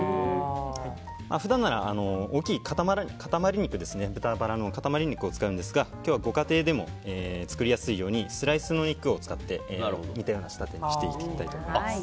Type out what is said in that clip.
普段なら大きい豚バラの塊肉を使うんですが今日はご家庭でも作りやすいようにスライスの肉を使って似たような仕立てにしていきたいと思います。